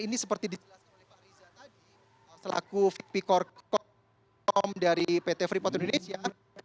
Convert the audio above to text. ini seperti dijelaskan oleh pak riza tadi selaku vp korkom dari pt freeport indonesia